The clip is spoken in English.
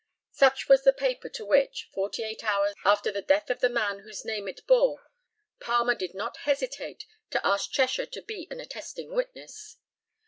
Such was the paper to which, forty eight hours after the death of the man whose name it bore, Palmer did not hesitate to ask Cheshire to be an attesting witness.